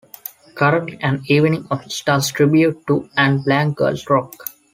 Currently "An Evening of Stars: Tribute to" and "Black Girls Rock!